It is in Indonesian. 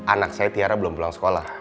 anak saya tiara belum pulang sekolah